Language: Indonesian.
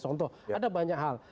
contoh ada banyak hal